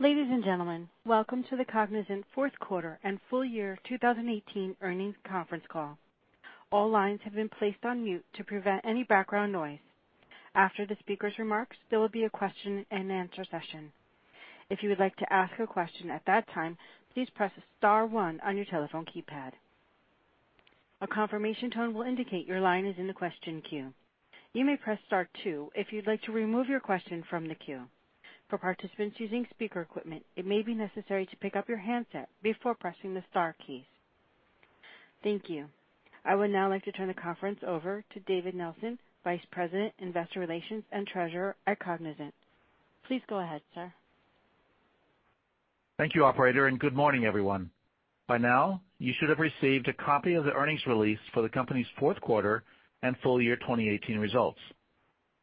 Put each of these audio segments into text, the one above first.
Ladies and gentlemen, welcome to the Cognizant fourth quarter and full year 2018 earnings conference call. All lines have been placed on mute to prevent any background noise. After the speaker's remarks, there will be a question and answer session. If you would like to ask a question at that time, please press star one on your telephone keypad. A confirmation tone will indicate your line is in the question queue. You may press star two if you'd like to remove your question from the queue. For participants using speaker equipment, it may be necessary to pick up your handset before pressing the star keys. Thank you. I would now like to turn the conference over to David Nelson, Vice President, Investor Relations, and Treasurer, Cognizant. Please go ahead, sir. Thank you operator. Good morning, everyone. By now, you should have received a copy of the earnings release for the company's fourth quarter and full year 2018 results.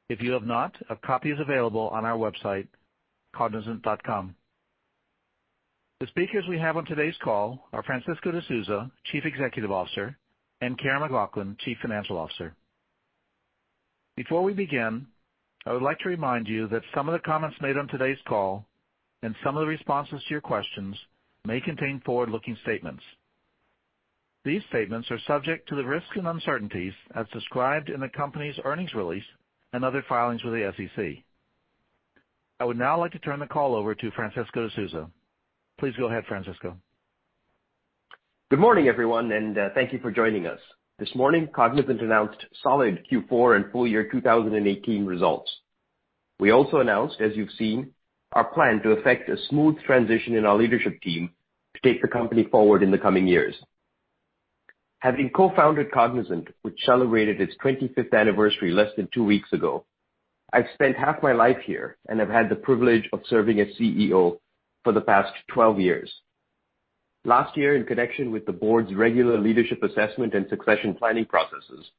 If you have not, a copy is available on our website, cognizant.com. The speakers we have on today's call are Francisco D'Souza, Chief Executive Officer, and Karen McLoughlin, Chief Financial Officer. Before we begin, I would like to remind you that some of the comments made on today's call and some of the responses to your questions may contain forward-looking statements. These statements are subject to the risks and uncertainties as described in the company's earnings release and other filings with the SEC. I would now like to turn the call over to Francisco D'Souza. Please go ahead, Francisco. Good morning, everyone. Thank you for joining us. This morning, Cognizant announced solid Q4 and full year 2018 results. We also announced, as you've seen, our plan to effect a smooth transition in our leadership team to take the company forward in the coming years. Having co-founded Cognizant, which celebrated its 25th anniversary less than two weeks ago, I've spent half my life here and have had the privilege of serving as CEO for the past 12 years. Last year, in connection with the board's regular leadership assessment and succession planning processes,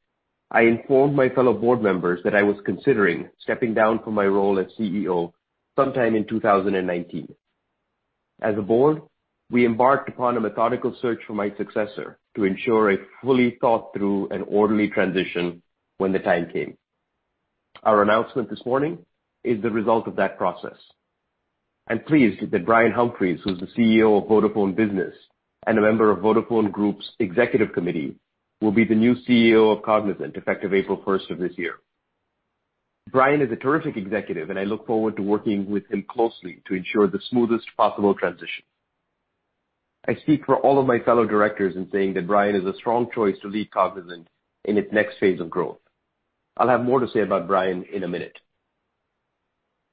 I informed my fellow board members that I was considering stepping down from my role as CEO sometime in 2019. As a board, we embarked upon a methodical search for my successor to ensure a fully thought-through and orderly transition when the time came. Our announcement this morning is the result of that process. I'm pleased that Brian Humphries, who's the CEO of Vodafone Business and a member of Vodafone Group's executive committee, will be the new CEO of Cognizant, effective April 1st of this year. Brian is a terrific executive. I look forward to working with him closely to ensure the smoothest possible transition. I speak for all of my fellow directors in saying that Brian is a strong choice to lead Cognizant in its next phase of growth. I'll have more to say about Brian in a minute.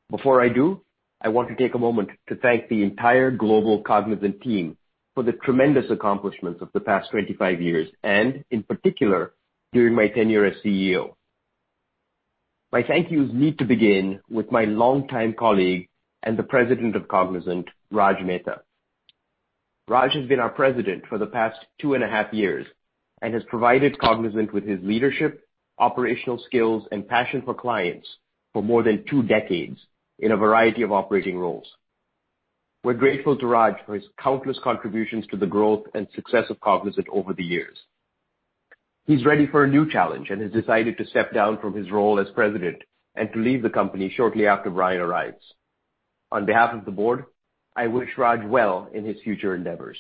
Before I do, I want to take a moment to thank the entire global Cognizant team for the tremendous accomplishments of the past 25 years and, in particular, during my tenure as CEO. My thank yous need to begin with my longtime colleague and the president of Cognizant, Rajeev Mehta. Raj has been our president for the past two and a half years and has provided Cognizant with his leadership, operational skills, and passion for clients for more than two decades in a variety of operating roles. We're grateful to Raj for his countless contributions to the growth and success of Cognizant over the years. He's ready for a new challenge and has decided to step down from his role as president and to leave the company shortly after Brian arrives. On behalf of the board, I wish Raj well in his future endeavors.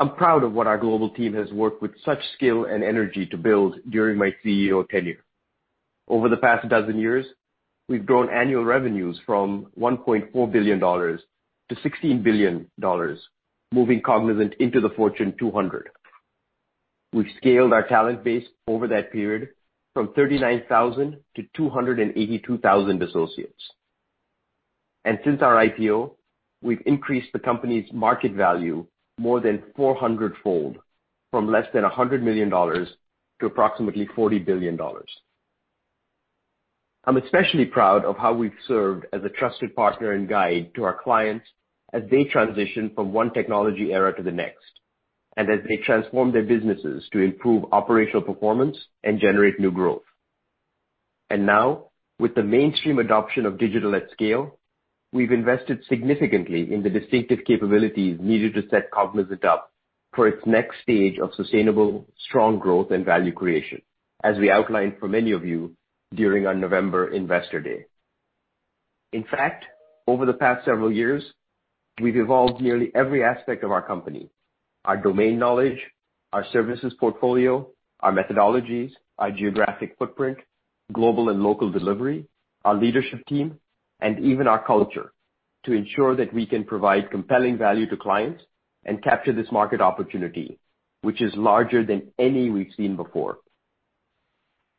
I'm proud of what our global team has worked with such skill and energy to build during my CEO tenure. Over the past dozen years, we've grown annual revenues from $1.4 billion-$16 billion, moving Cognizant into the Fortune 200. We've scaled our talent base over that period from 39,000-282,000 associates. Since our IPO, we've increased the company's market value more than 400-fold from less than $100 million to approximately $40 billion. I'm especially proud of how we've served as a trusted partner and guide to our clients as they transition from one technology era to the next, and as they transform their businesses to improve operational performance and generate new growth. Now, with the mainstream adoption of digital at scale, we've invested significantly in the distinctive capabilities needed to set Cognizant up for its next stage of sustainable strong growth and value creation, as we outlined for many of you during our November Investor Day. In fact, over the past several years, we've evolved nearly every aspect of our company, our domain knowledge, our services portfolio, our methodologies, our geographic footprint, global and local delivery, our leadership team, and even our culture, to ensure that we can provide compelling value to clients and capture this market opportunity, which is larger than any we've seen before.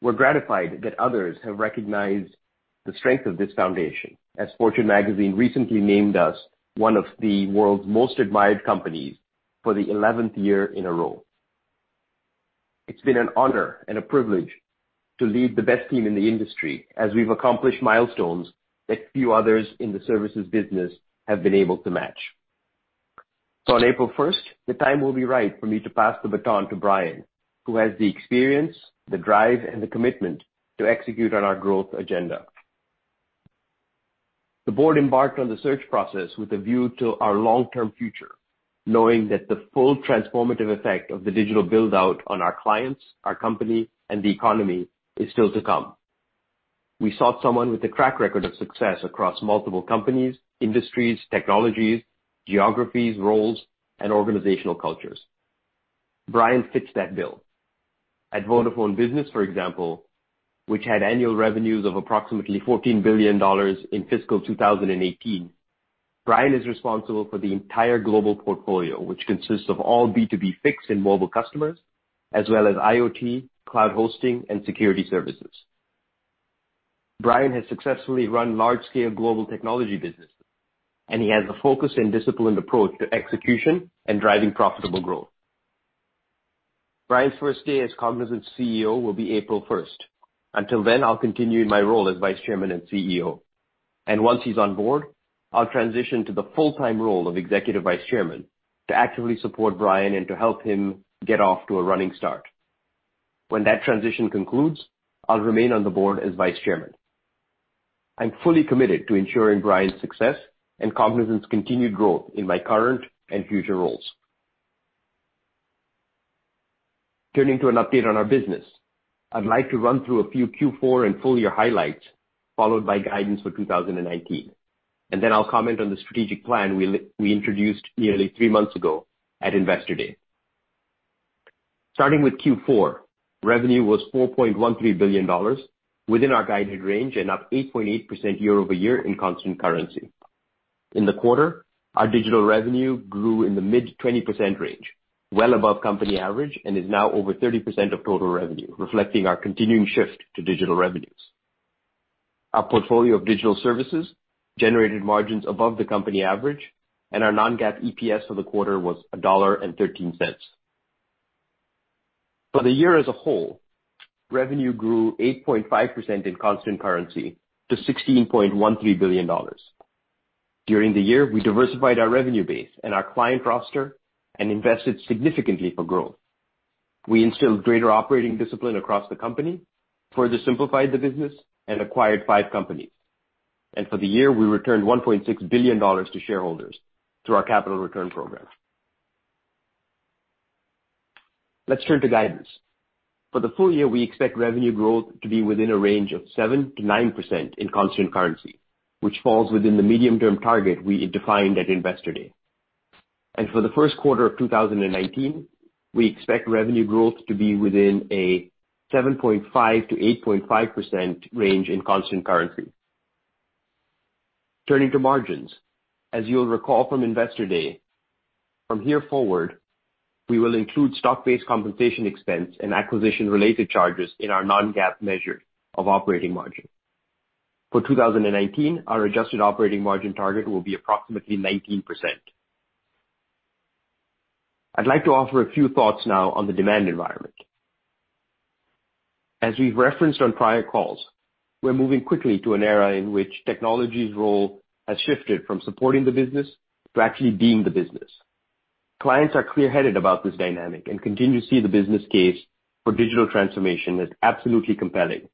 We're gratified that others have recognized the strength of this foundation, as Fortune Magazine recently named us one of the world's most admired companies for the 11th year in a row. It's been an honor and a privilege to lead the best team in the industry as we've accomplished milestones that few others in the services business have been able to match. On April 1st, the time will be right for me to pass the baton to Brian, who has the experience, the drive, and the commitment to execute on our growth agenda. The board embarked on the search process with a view to our long-term future, knowing that the full transformative effect of the digital build-out on our clients, our company, and the economy is still to come. We sought someone with a track record of success across multiple companies, industries, technologies, geographies, roles, and organizational cultures. Brian fits that bill. At Vodafone Business, for example, which had annual revenues of approximately $14 billion in fiscal 2018, Brian is responsible for the entire global portfolio, which consists of all B2B fixed and mobile customers, as well as IoT, cloud hosting, and security services. Brian has successfully run large-scale global technology businesses, he has a focus and disciplined approach to execution and driving profitable growth. Brian's first day as Cognizant's CEO will be April 1st. Until then, I'll continue in my role as vice chairman and CEO. Once he's on board, I'll transition to the full-time role of executive vice chairman to actively support Brian and to help him get off to a running start. When that transition concludes, I'll remain on the board as vice chairman. I'm fully committed to ensuring Brian's success and Cognizant's continued growth in my current and future roles. Turning to an update on our business, I'd like to run through a few Q4 and full-year highlights, followed by guidance for 2019. Then I'll comment on the strategic plan we introduced nearly three months ago at Investor Day. Starting with Q4, revenue was $4.13 billion, within our guided range and up 8.8% year-over-year in constant currency. In the quarter, our digital revenue grew in the mid-20% range, well above company average and is now over 30% of total revenue, reflecting our continuing shift to digital revenues. Our portfolio of digital services generated margins above the company average, our non-GAAP EPS for the quarter was $1.13. For the year as a whole, revenue grew 8.5% in constant currency to $16.13 billion. During the year, we diversified our revenue base and our client roster and invested significantly for growth. We instilled greater operating discipline across the company, further simplified the business and acquired five companies. For the year, we returned $1.6 billion to shareholders through our capital return program. Let's turn to guidance. For the full year, we expect revenue growth to be within a range of 7%-9% in constant currency, which falls within the medium-term target we defined at Investor Day. For the first quarter of 2019, we expect revenue growth to be within a 7.5%-8.5% range in constant currency. Turning to margins, as you'll recall from Investor Day, from here forward, we will include stock-based compensation expense and acquisition-related charges in our non-GAAP measure of operating margin. For 2019, our adjusted operating margin target will be approximately 19%. I'd like to offer a few thoughts now on the demand environment. As we've referenced on prior calls, we're moving quickly to an era in which technology's role has shifted from supporting the business to actually being the business. Clients are clearheaded about this dynamic and continue to see the business case for digital transformation as absolutely compelling,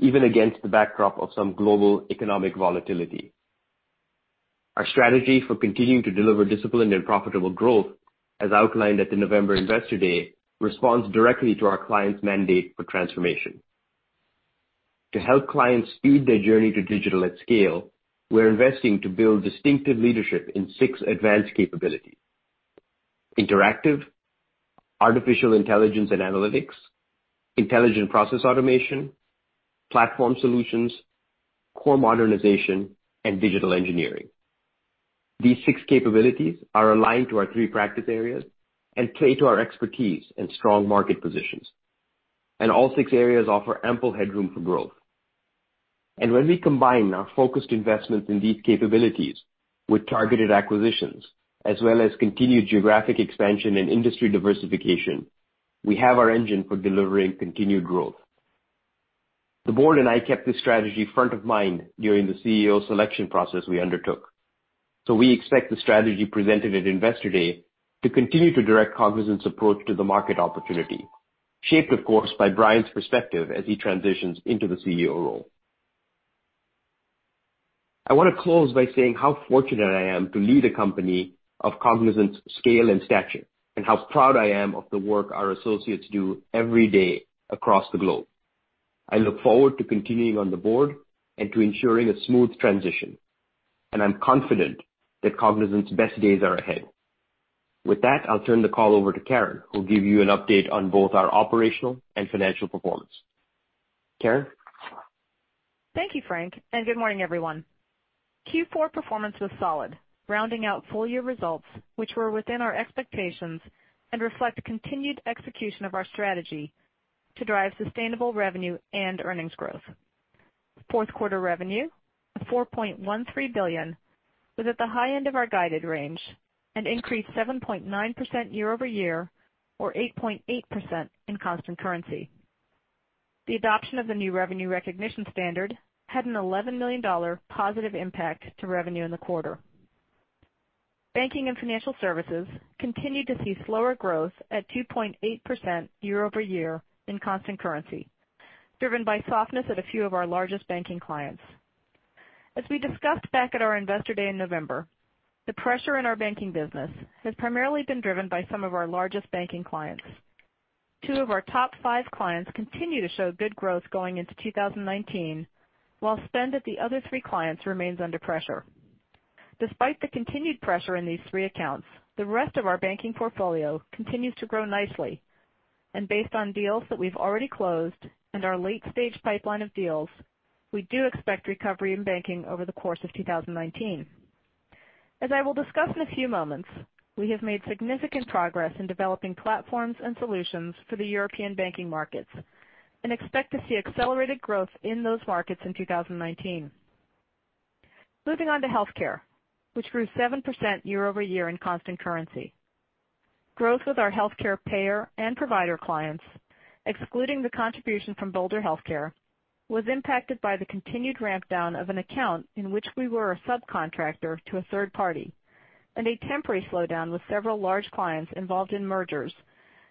even against the backdrop of some global economic volatility. Our strategy for continuing to deliver disciplined and profitable growth, as outlined at the November Investor Day, responds directly to our clients' mandate for transformation. To help clients speed their journey to digital at scale, we're investing to build distinctive leadership in six advanced capabilities: interactive, artificial intelligence and analytics, intelligent process automation, platform solutions, core modernization, and digital engineering. These six capabilities are aligned to our three practice areas and play to our expertise and strong market positions. All six areas offer ample headroom for growth. When we combine our focused investments in these capabilities with targeted acquisitions, as well as continued geographic expansion and industry diversification, we have our engine for delivering continued growth. The board and I kept this strategy front of mind during the CEO selection process we undertook. We expect the strategy presented at Investor Day to continue to direct Cognizant's approach to the market opportunity, shaped, of course, by Brian's perspective as he transitions into the CEO role. I want to close by saying how fortunate I am to lead a company of Cognizant's scale and stature, and how proud I am of the work our associates do every day across the globe. I look forward to continuing on the board and to ensuring a smooth transition, and I am confident that Cognizant's best days are ahead. With that, I will turn the call over to Karen, who will give you an update on both our operational and financial performance. Karen? Thank you, Francisco. Good morning, everyone. Q4 performance was solid, rounding out full-year results, which were within our expectations and reflect continued execution of our strategy to drive sustainable revenue and earnings growth. Fourth quarter revenue of $4.13 billion was at the high end of our guided range and increased 7.9% year-over-year or 8.8% in constant currency. The adoption of the new revenue recognition standard had an $11 million positive impact to revenue in the quarter. Banking and financial services continued to see slower growth at 2.8% year-over-year in constant currency, driven by softness at a few of our largest banking clients. As we discussed back at our Investor Day in November, the pressure in our banking business has primarily been driven by some of our largest banking clients. Two of our top five clients continue to show good growth going into 2019, while spend at the other three clients remains under pressure. Despite the continued pressure in these three accounts, the rest of our banking portfolio continues to grow nicely. Based on deals that we have already closed and our late-stage pipeline of deals, we do expect recovery in banking over the course of 2019. As I will discuss in a few moments, we have made significant progress in developing platforms and solutions for the European banking markets and expect to see accelerated growth in those markets in 2019. Moving on to healthcare, which grew 7% year-over-year in constant currency. Growth with our healthcare payer and provider clients, excluding the contribution from Bolder Healthcare Solutions, was impacted by the continued ramp down of an account in which we were a subcontractor to a third party and a temporary slowdown with several large clients involved in mergers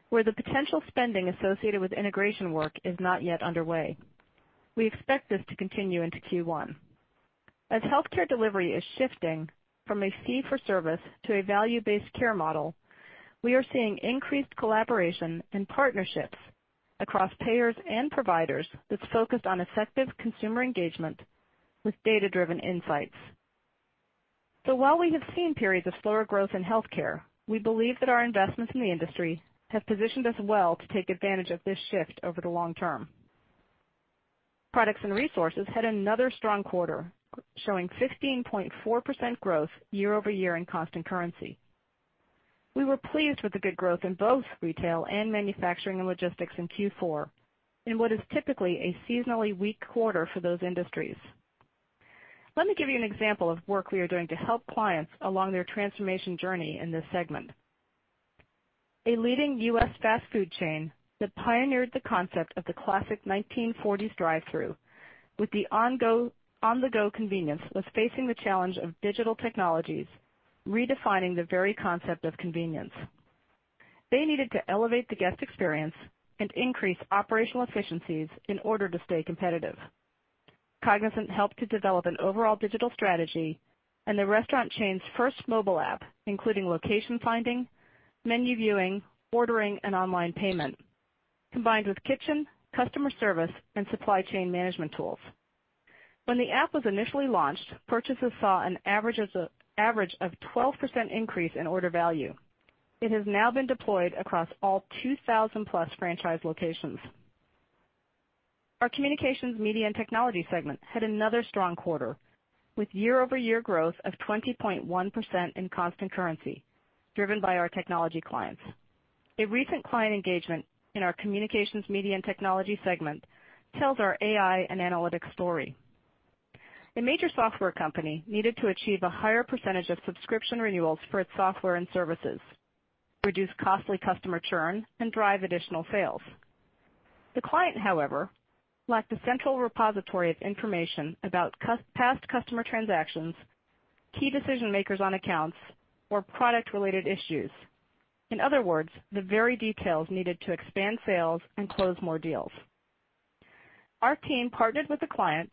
where the potential spending associated with integration work is not yet underway. We expect this to continue into Q1. As healthcare delivery is shifting from a fee-for-service to a value-based care model, we are seeing increased collaboration and partnerships across payers and providers that is focused on effective consumer engagement with data-driven insights. While we have seen periods of slower growth in healthcare, we believe that our investments in the industry have positioned us well to take advantage of this shift over the long term. Products and resources had another strong quarter, showing 15.4% growth year-over-year in constant currency. We were pleased with the good growth in both retail and manufacturing and logistics in Q4 in what is typically a seasonally weak quarter for those industries. Let me give you an example of work we are doing to help clients along their transformation journey in this segment. A leading U.S. fast food chain that pioneered the concept of the classic 1940s drive-through with the on-the-go convenience was facing the challenge of digital technologies redefining the very concept of convenience. They needed to elevate the guest experience and increase operational efficiencies in order to stay competitive. Cognizant helped to develop an overall digital strategy and the restaurant chain's first mobile app, including location finding, menu viewing, ordering, and online payment, combined with kitchen, customer service, and supply chain management tools. When the app was initially launched, purchasers saw an average of 12% increase in order value. It has now been deployed across all 2,000-plus franchise locations. Our communications, media, and technology segment had another strong quarter with year-over-year growth of 20.1% in constant currency, driven by our technology clients. A recent client engagement in our Communications, Media, and Technology segment tells our AI and analytics story. A major software company needed to achieve a higher percentage of subscription renewals for its software and services, reduce costly customer churn, and drive additional sales. The client, however, lacked a central repository of information about past customer transactions, key decision-makers on accounts, or product-related issues. The very details needed to expand sales and close more deals. Our team partnered with the client,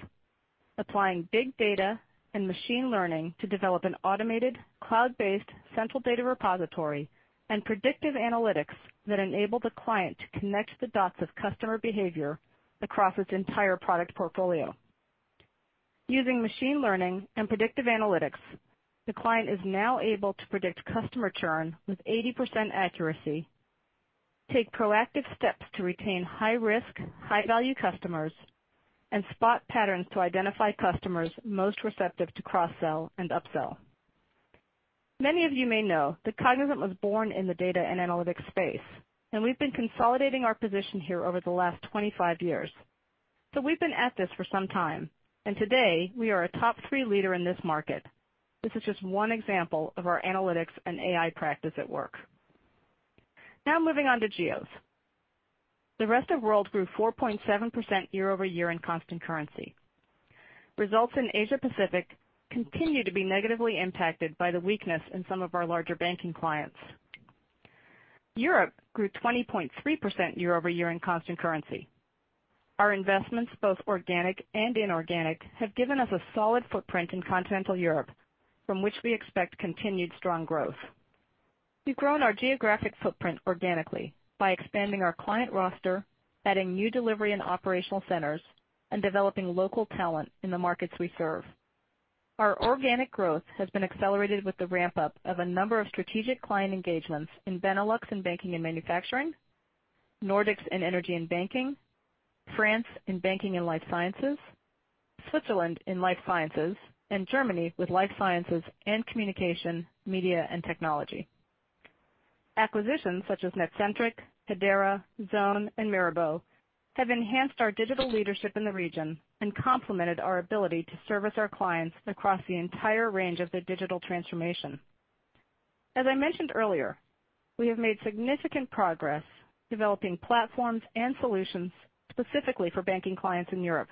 applying big data and machine learning to develop an automated, cloud-based central data repository and predictive analytics that enable the client to connect the dots of customer behavior across its entire product portfolio. Using machine learning and predictive analytics, the client is now able to predict customer churn with 80% accuracy, take proactive steps to retain high-risk, high-value customers, and spot patterns to identify customers most receptive to cross-sell and upsell. Many of you may know that Cognizant was born in the data and analytics space, and we've been consolidating our position here over the last 25 years. We've been at this for some time, and today, we are a top-three leader in this market. This is just one example of our analytics and AI practice at work. Moving on to geos. The rest of world grew 4.7% year-over-year in constant currency. Results in Asia Pacific continue to be negatively impacted by the weakness in some of our larger banking clients. Europe grew 20.3% year-over-year in constant currency. Our investments, both organic and inorganic, have given us a solid footprint in continental Europe from which we expect continued strong growth. We've grown our geographic footprint organically by expanding our client roster, adding new delivery and operational centers, and developing local talent in the markets we serve. Our organic growth has been accelerated with the ramp-up of a number of strategic client engagements in Benelux in banking and manufacturing, Nordics in energy and banking, France in banking and life sciences, Switzerland in life sciences, and Germany with life sciences and communication, media, and technology. Acquisitions such as Netcentric, Hedera, Zone, and Mirabeau have enhanced our digital leadership in the region and complemented our ability to service our clients across the entire range of their digital transformation. As I mentioned earlier, we have made significant progress developing platforms and solutions specifically for banking clients in Europe.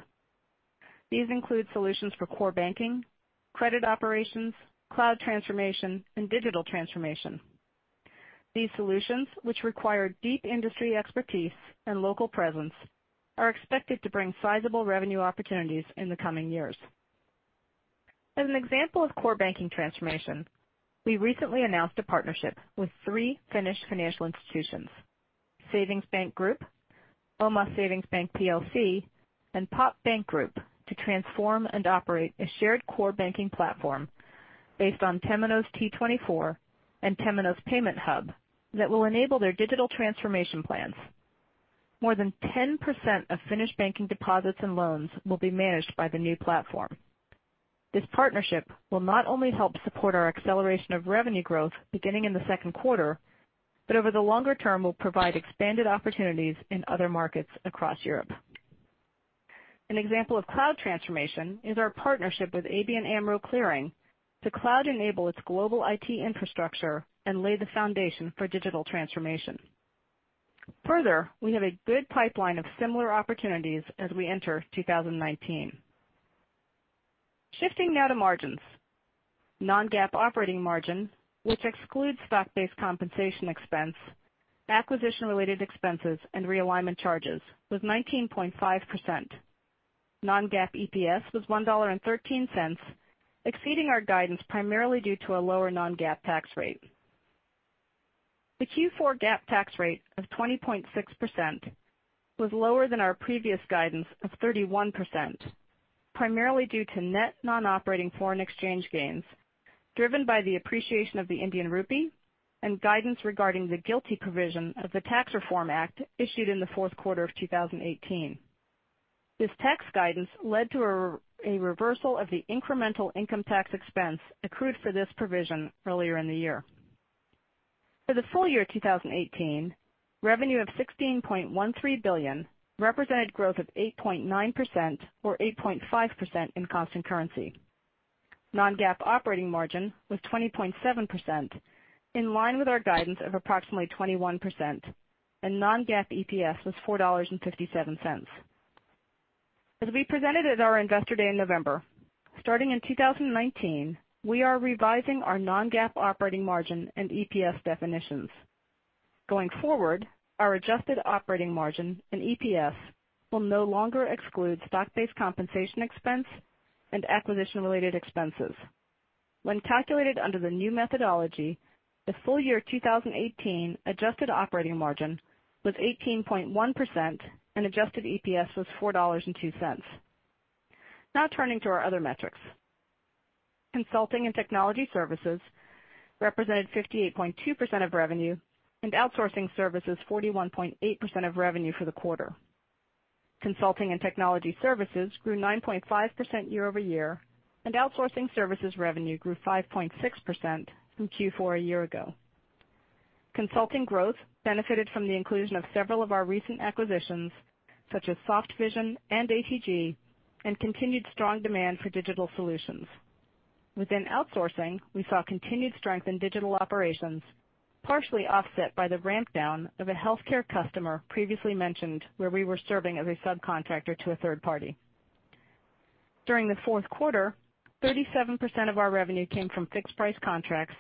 These include solutions for core banking, credit operations, cloud transformation, and digital transformation. These solutions, which require deep industry expertise and local presence, are expected to bring sizable revenue opportunities in the coming years. As an example of core banking transformation, we recently announced a partnership with three Finnish financial institutions, Savings Banks Group, Oma Savings Bank Plc, and POP Bank Group, to transform and operate a shared core banking platform based on Temenos T24 and Temenos Payments Hub that will enable their digital transformation plans. More than 10% of Finnish banking deposits and loans will be managed by the new platform. This partnership will not only help support our acceleration of revenue growth beginning in the second quarter, but over the longer term, will provide expanded opportunities in other markets across Europe. An example of cloud transformation is our partnership with ABN AMRO Clearing to cloud-enable its global IT infrastructure and lay the foundation for digital transformation. Further, we have a good pipeline of similar opportunities as we enter 2019. Shifting now to margins. Non-GAAP operating margin, which excludes stock-based compensation expense, acquisition-related expenses, and realignment charges, was 19.5%. Non-GAAP EPS was $1.13, exceeding our guidance primarily due to a lower non-GAAP tax rate. The Q4 GAAP tax rate of 20.6% was lower than our previous guidance of 31%, primarily due to net non-operating foreign exchange gains driven by the appreciation of the Indian rupee and guidance regarding the GILTI provision of the Tax Reform Act issued in the fourth quarter of 2018. This tax guidance led to a reversal of the incremental income tax expense accrued for this provision earlier in the year. For the full year 2018, revenue of $16.13 billion represented growth of 8.9%, or 8.5% in constant currency. Non-GAAP operating margin was 20.7%, in line with our guidance of approximately 21%, and non-GAAP EPS was $4.57. As we presented at our Investor Day in November, starting in 2019, we are revising our non-GAAP operating margin and EPS definitions. Going forward, our adjusted operating margin and EPS will no longer exclude stock-based compensation expense and acquisition-related expenses. When calculated under the new methodology, the full year 2018 adjusted operating margin was 18.1% and adjusted EPS was $4.02. Now turning to our other metrics. Consulting and technology services represented 58.2% of revenue, and outsourcing services 41.8% of revenue for the quarter. Consulting and technology services grew 9.5% year-over-year, and outsourcing services revenue grew 5.6% from Q4 a year ago. Consulting growth benefited from the inclusion of several of our recent acquisitions, such as Softvision and ATG, and continued strong demand for digital solutions. Within outsourcing, we saw continued strength in digital operations, partially offset by the ramp down of a healthcare customer previously mentioned where we were serving as a subcontractor to a third party. During the fourth quarter, 37% of our revenue came from fixed-price contracts,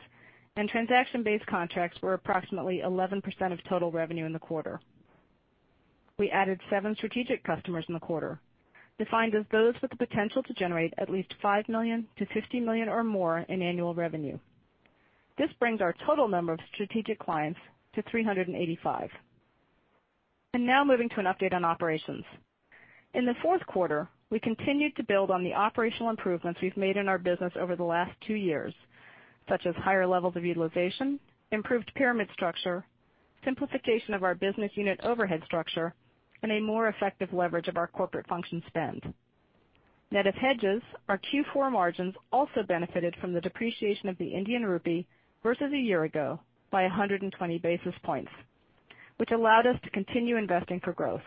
and transaction-based contracts were approximately 11% of total revenue in the quarter. We added seven strategic customers in the quarter, defined as those with the potential to generate at least $5 million-$50 million or more in annual revenue. This brings our total number of strategic clients to 385. Now moving to an update on operations. In the fourth quarter, we continued to build on the operational improvements we've made in our business over the last two years, such as higher levels of utilization, improved pyramid structure, simplification of our business unit overhead structure, and a more effective leverage of our corporate function spend. Net of hedges, our Q4 margins also benefited from the depreciation of the Indian rupee versus a year ago by 120 basis points, which allowed us to continue investing for growth.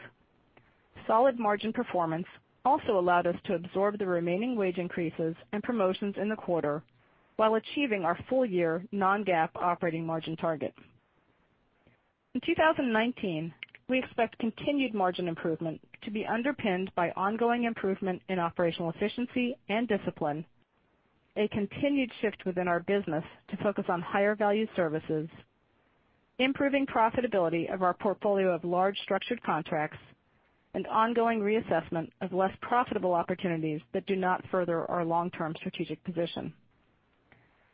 Solid margin performance also allowed us to absorb the remaining wage increases and promotions in the quarter while achieving our full-year non-GAAP operating margin targets. In 2019, we expect continued margin improvement to be underpinned by ongoing improvement in operational efficiency and discipline, a continued shift within our business to focus on higher-value services, improving profitability of our portfolio of large structured contracts, and ongoing reassessment of less profitable opportunities that do not further our long-term strategic position.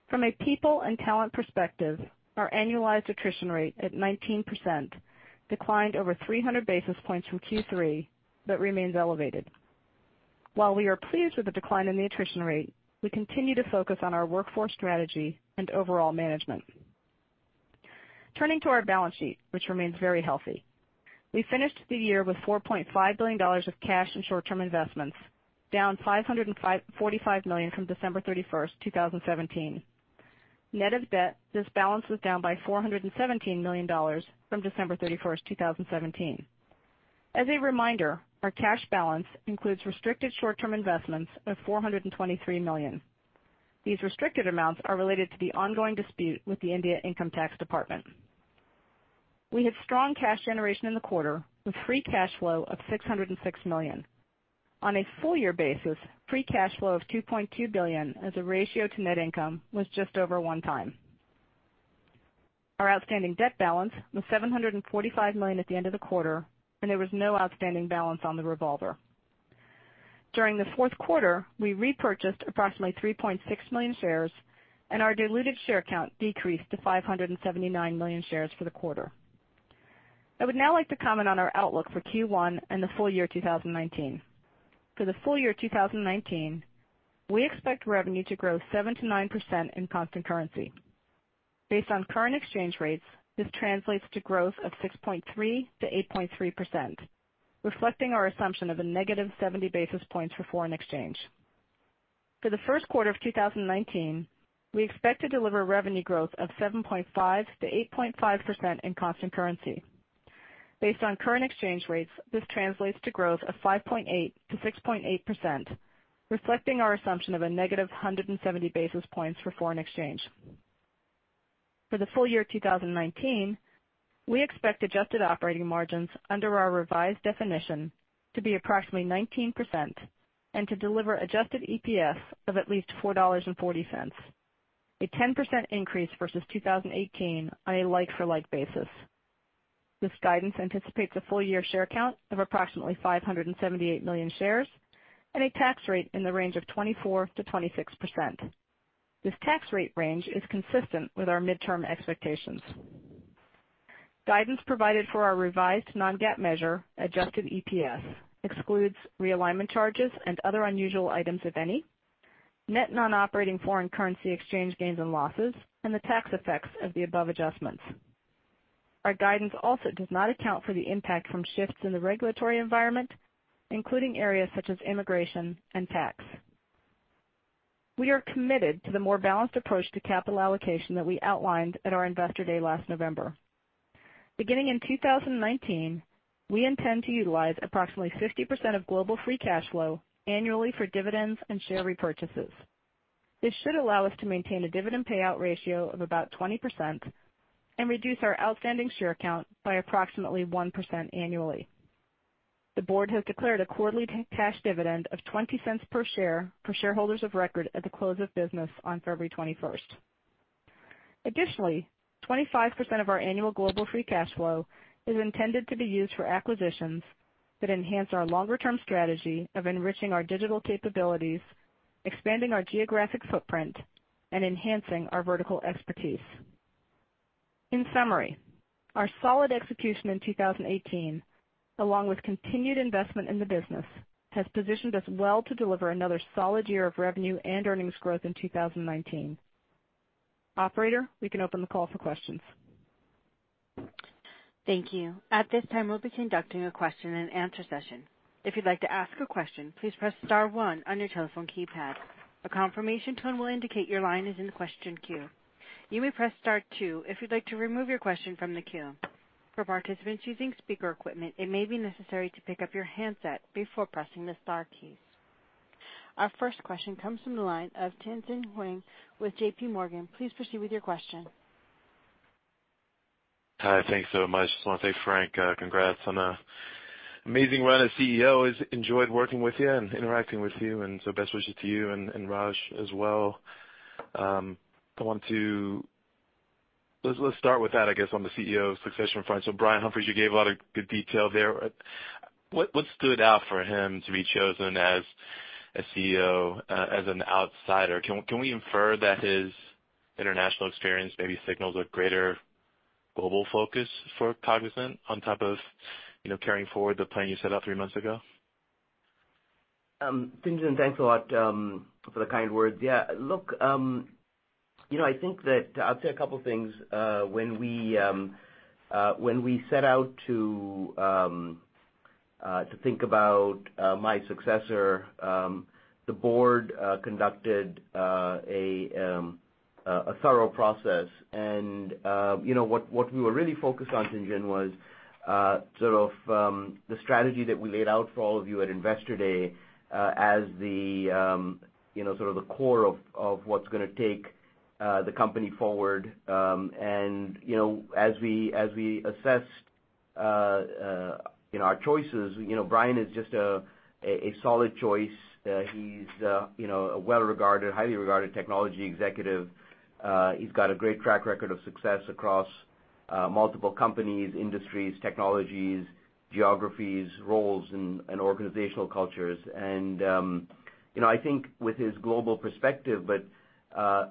From a people and talent perspective, our annualized attrition rate at 19% declined over 300 basis points from Q3 but remains elevated. While we are pleased with the decline in the attrition rate, we continue to focus on our workforce strategy and overall management. Turning to our balance sheet, which remains very healthy. We finished the year with $4.5 billion of cash and short-term investments, down $545 million from December 31st, 2017. Net of debt, this balance was down by $417 million from December 31st, 2017. As a reminder, our cash balance includes restricted short-term investments of $423 million. These restricted amounts are related to the ongoing dispute with the India Income Tax Department. We had strong cash generation in the quarter with free cash flow of $606 million. On a full-year basis, free cash flow of $2.2 billion as a ratio to net income was just over one time. Our outstanding debt balance was $745 million at the end of the quarter, and there was no outstanding balance on the revolver. During the fourth quarter, we repurchased approximately 3.6 million shares, and our diluted share count decreased to 579 million shares for the quarter. I would now like to comment on our outlook for Q1 and the full year 2019. For the full year 2019, we expect revenue to grow 7%-9% in constant currency. Based on current exchange rates, this translates to growth of 6.3%-8.3%, reflecting our assumption of a negative 70 basis points for foreign exchange. For the first quarter of 2019, we expect to deliver revenue growth of 7.5%-8.5% in constant currency. Based on current exchange rates, this translates to growth of 5.8%-6.8%, reflecting our assumption of a negative 170 basis points for foreign exchange. For the full year 2019, we expect adjusted operating margins under our revised definition to be approximately 19% and to deliver adjusted EPS of at least $4.40, a 10% increase versus 2018 on a like-for-like basis. This guidance anticipates a full-year share count of approximately 578 million shares and a tax rate in the range of 24%-26%. This tax rate range is consistent with our midterm expectations. Guidance provided for our revised non-GAAP measure, adjusted EPS, excludes realignment charges and other unusual items, if any, net non-operating foreign currency exchange gains and losses, and the tax effects of the above adjustments. Our guidance also does not account for the impact from shifts in the regulatory environment, including areas such as immigration and tax. We are committed to the more balanced approach to capital allocation that we outlined at our Investor Day last November. Beginning in 2019, we intend to utilize approximately 50% of global free cash flow annually for dividends and share repurchases. This should allow us to maintain a dividend payout ratio of about 20% and reduce our outstanding share count by approximately 1% annually. The board has declared a quarterly cash dividend of $0.20 per share for shareholders of record at the close of business on February 21st. Additionally, 25% of our annual global free cash flow is intended to be used for acquisitions that enhance our longer-term strategy of enriching our digital capabilities, expanding our geographic footprint, and enhancing our vertical expertise. In summary, our solid execution in 2018, along with continued investment in the business, has positioned us well to deliver another solid year of revenue and earnings growth in 2019. Operator, we can open the call for questions. Thank you. At this time, we'll be conducting a question and answer session. If you'd like to ask a question, please press star one on your telephone keypad. A confirmation tone will indicate your line is in the question queue. You may press star two if you'd like to remove your question from the queue. For participants using speaker equipment, it may be necessary to pick up your handset before pressing the star keys. Our first question comes from the line of Tien-Tsin Huang with J.P. Morgan. Please proceed with your question. Hi. Thanks so much. Just want to say, Francisco, congrats on an amazing run as CEO. Always enjoyed working with you and interacting with you, and best wishes to you and Raj as well. Let's start with that, I guess, on the CEO succession front. Brian Humphries, you gave a lot of good detail there. What stood out for him to be chosen as a CEO, as an outsider? Can we infer that his international experience maybe signals a greater global focus for Cognizant on top of carrying forward the plan you set out three months ago? Tien-Tsin, thanks a lot for the kind words. Yeah, look, I'll say a couple of things. When we set out to think about my successor, the board conducted a thorough process. What we were really focused on, Tien-Tsin, was sort of the strategy that we laid out for all of you at Investor Day as the sort of the core of what's going to take the company forward. As we assessed our choices, Brian is just a solid choice. He's a well regarded, highly regarded technology executive. He's got a great track record of success across multiple companies, industries, technologies, geographies, roles, and organizational cultures. I think with his global perspective, but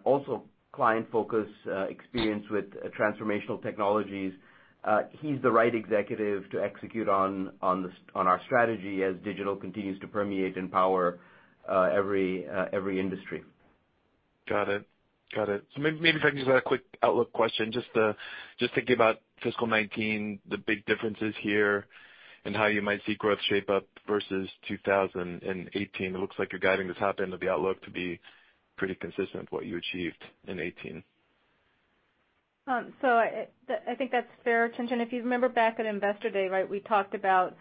also client focus experience with transformational technologies, he's the right executive to execute on our strategy as digital continues to permeate and power every industry. Got it. Maybe if I can just ask a quick outlook question, just thinking about fiscal 2019, the big differences here and how you might see growth shape up versus 2018. It looks like you're guiding the top end of the outlook to be pretty consistent with what you achieved in 2018. I think that's fair, Tien-Tsin. If you remember back at Investor Day, right, we talked about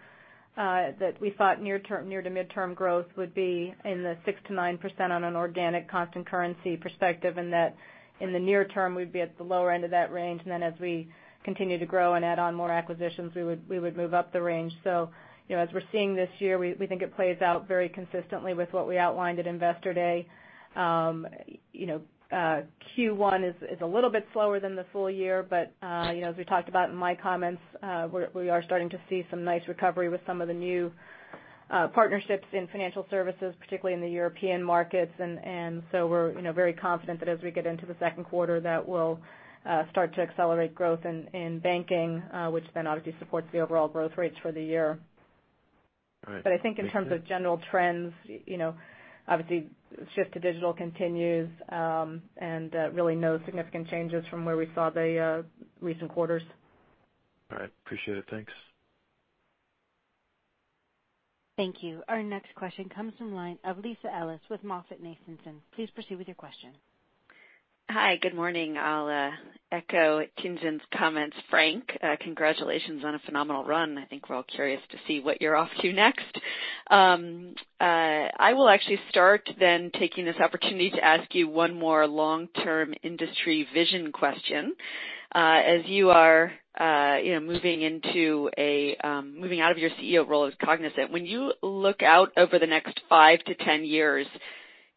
That we thought near to midterm growth would be in the 6%-9% on an organic constant currency perspective, and that in the near term, we'd be at the lower end of that range. As we continue to grow and add on more acquisitions, we would move up the range. As we're seeing this year, we think it plays out very consistently with what we outlined at Investor Day. Q1 is a little bit slower than the full year, but, as we talked about in my comments, we are starting to see some nice recovery with some of the new partnerships in financial services, particularly in the European markets. We're very confident that as we get into the second quarter, that will start to accelerate growth in banking, which then obviously supports the overall growth rates for the year. All right. I think in terms of general trends, obviously, shift to digital continues, and really no significant changes from where we saw the recent quarters. All right. Appreciate it. Thanks. Thank you. Our next question comes from the line of Lisa Ellis with MoffettNathanson. Please proceed with your question. Hi, good morning. I'll echo Tien-Tsin's comments. Francisco, congratulations on a phenomenal run. I think we're all curious to see what you're off to next. I will actually start then taking this opportunity to ask you one more long-term industry vision question. As you are moving out of your CEO role at Cognizant, when you look out over the next 5-10 years,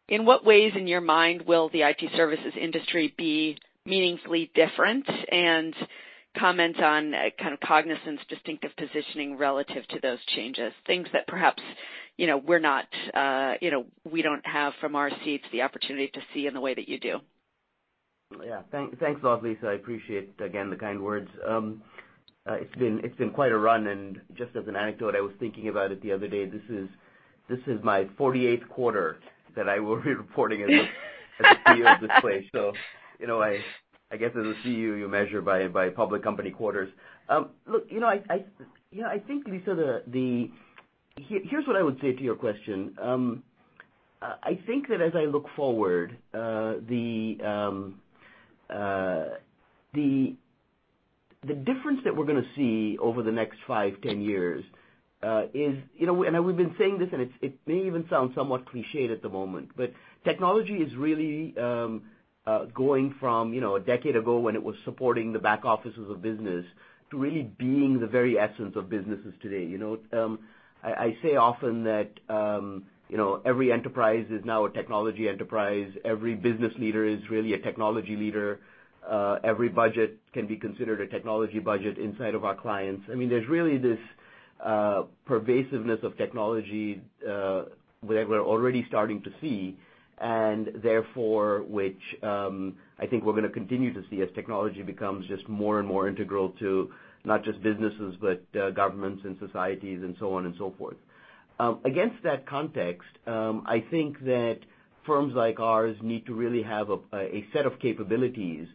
in what ways in your mind will the IT services industry be meaningfully different? Comment on kind of Cognizant's distinctive positioning relative to those changes, things that perhaps we don't have from our seats the opportunity to see in the way that you do. Yeah. Thanks a lot, Lisa. I appreciate, again, the kind words. It's been quite a run, and just as an anecdote, I was thinking about it the other day. This is my 48th quarter that I will be reporting as a CEO of this place. I guess as a CEO, you measure by public company quarters. Look, I think, Lisa, here's what I would say to your question. I think that as I look forward, the difference that we're going to see over the next five, 10 years is, we've been saying this, and it may even sound somewhat cliched at the moment, technology is really going from a decade ago when it was supporting the back offices of business to really being the very essence of businesses today. I say often that every enterprise is now a technology enterprise. Every business leader is really a technology leader. Every budget can be considered a technology budget inside of our clients. There's really this pervasiveness of technology, where we're already starting to see, therefore, which I think we're going to continue to see as technology becomes just more and more integral to not just businesses, but governments and societies and so on and so forth. Against that context, I think that firms like ours need to really have a set of capabilities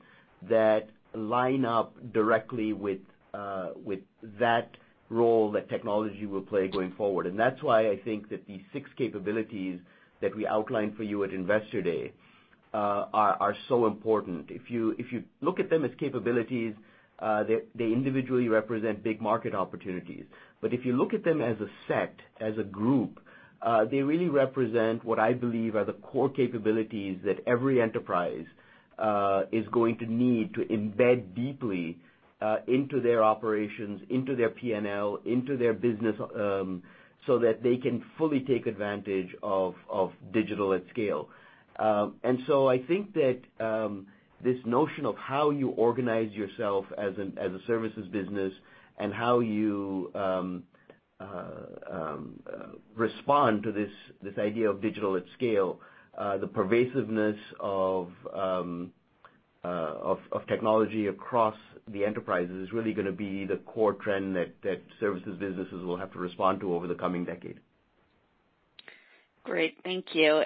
that line up directly with that role that technology will play going forward. That's why I think that the six capabilities that we outlined for you at Investor Day are so important. If you look at them as capabilities, they individually represent big market opportunities. If you look at them as a set, as a group, they really represent what I believe are the core capabilities that every enterprise is going to need to embed deeply into their operations, into their P&L, into their business, so that they can fully take advantage of digital at scale. I think that this notion of how you organize yourself as a services business and how you respond to this idea of digital at scale, the pervasiveness of technology across the enterprise is really going to be the core trend that services businesses will have to respond to over the coming decade. Great. Thank you.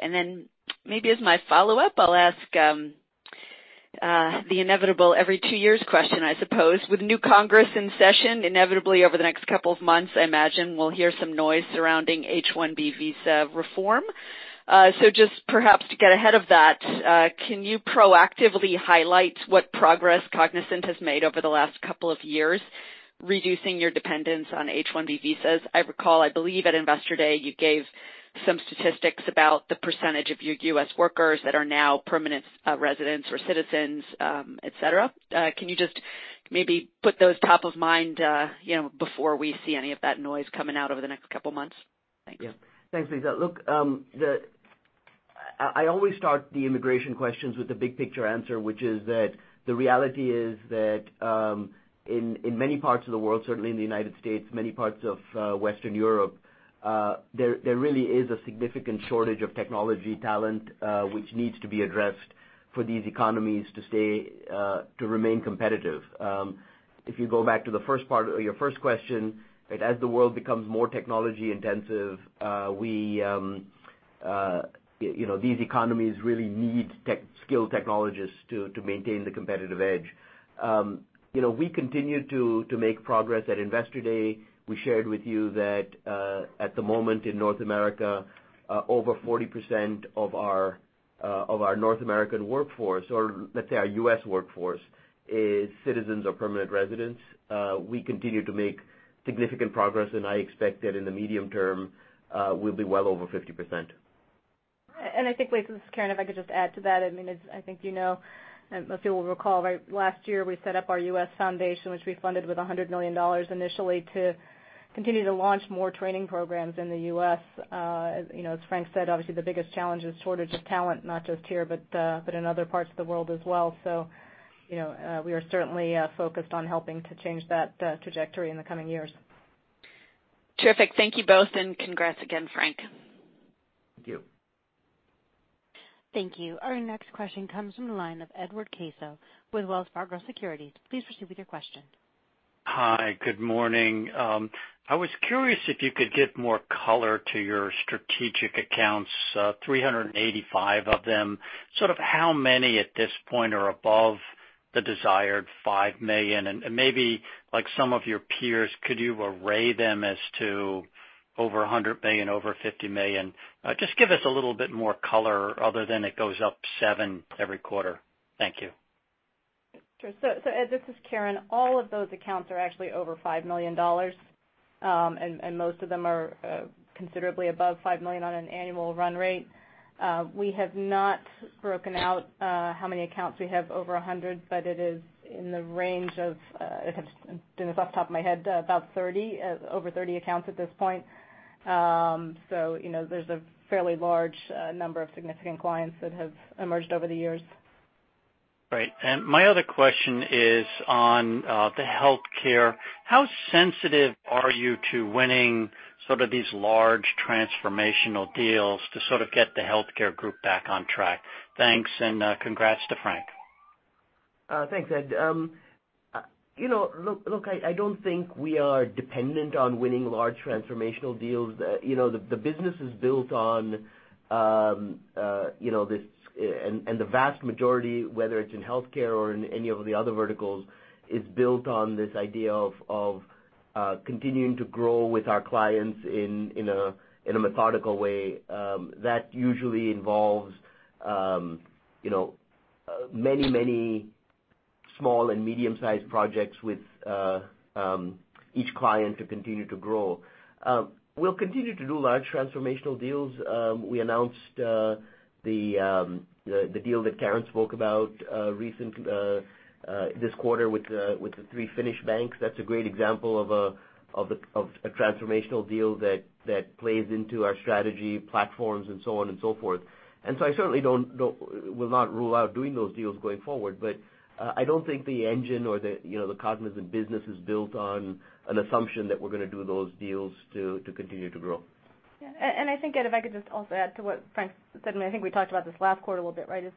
Maybe as my follow-up, I'll ask the inevitable every two years question, I suppose. With new Congress in session, inevitably over the next couple of months, I imagine we'll hear some noise surrounding H-1B visa reform. Just perhaps to get ahead of that, can you proactively highlight what progress Cognizant has made over the last couple of years, reducing your dependence on H-1B visas? I recall, I believe at Investor Day, you gave some statistics about the percentage of your U.S. workers that are now permanent residents or citizens, et cetera. Can you just maybe put those top of mind before we see any of that noise coming out over the next couple of months? Thanks. Thanks, Lisa. Look, I always start the immigration questions with the big picture answer, which is that the reality is that, in many parts of the world, certainly in the United States, many parts of Western Europe, there really is a significant shortage of technology talent, which needs to be addressed for these economies to remain competitive. If you go back to your first question, as the world becomes more technology intensive, these economies really need skilled technologists to maintain the competitive edge. We continue to make progress. At Investor Day, we shared with you that, at the moment in North America, over 40% of our North American workforce, or let's say our U.S. workforce, is citizens or permanent residents. I expect that in the medium term, we'll be well over 50%. This is Karen, if I could just add to that. I think you know, most people will recall, last year we set up our U.S. Foundation, which we funded with $100 million initially to continue to launch more training programs in the U.S. As Francisco said, obviously the biggest challenge is shortage of talent, not just here, but in other parts of the world as well. We are certainly focused on helping to change that trajectory in the coming years. Terrific. Thank you both, congrats again, Francisco. Thank you. Thank you. Our next question comes from the line of Edward Caso with Wells Fargo Securities. Please proceed with your question. Hi. Good morning. I was curious if you could give more color to your strategic accounts, 385 of them. Sort of how many at this point are above the desired $5 million, and maybe like some of your peers, could you array them as to over $100 million, over $50 million? Just give us a little bit more color other than it goes up seven every quarter. Thank you. Sure. Edward, this is Karen. All of those accounts are actually over $5 million, and most of them are considerably above $5 million on an annual run rate. We have not broken out how many accounts we have over 100, but it is in the range of, doing this off the top of my head, about over 30 accounts at this point. There's a fairly large number of significant clients that have emerged over the years. Great. My other question is on the healthcare. How sensitive are you to winning sort of these large transformational deals to sort of get the healthcare group back on track? Thanks, and congrats to Francisco. Thanks, Edward. Look, I don't think we are dependent on winning large transformational deals. The business is built on, and the vast majority, whether it's in healthcare or in any of the other verticals, is built on this idea of continuing to grow with our clients in a methodical way. That usually involves many small and medium-sized projects with each client to continue to grow. We'll continue to do large transformational deals. We announced the deal that Karen spoke about this quarter with the three Finnish banks. That's a great example of a transformational deal that plays into our strategy platforms and so on and so forth. I certainly will not rule out doing those deals going forward, but I don't think the engine or the Cognizant business is built on an assumption that we're going to do those deals to continue to grow. Yeah. I think, Edward, if I could just also add to what Francisco said, I think we talked about this last quarter a little bit. Is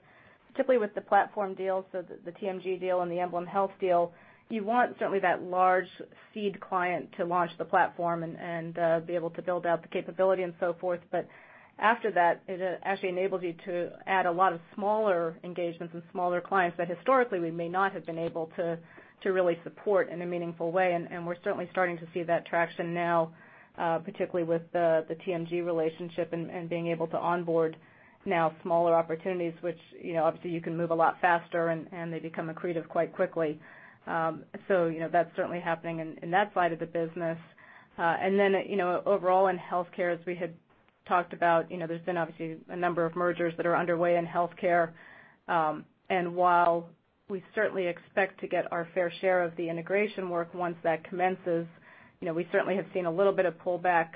particularly with the platform deals, so the TMG Health deal and the EmblemHealth deal, you want certainly that large seed client to launch the platform and be able to build out the capability and so forth. After that, it actually enables you to add a lot of smaller engagements and smaller clients that historically we may not have been able to really support in a meaningful way. We're certainly starting to see that traction now, particularly with the TMG Health relationship and being able to onboard now smaller opportunities, which obviously you can move a lot faster, and they become accretive quite quickly. That's certainly happening in that side of the business. Overall in healthcare, as we had talked about, there's been obviously a number of mergers that are underway in healthcare. While we certainly expect to get our fair share of the integration work once that commences, we certainly have seen a little bit of pullback